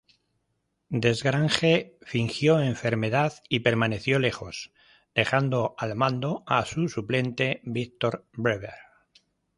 Desgrange fingió enfermedad y permaneció lejos, dejando al mando a su suplente, Victor Breyer.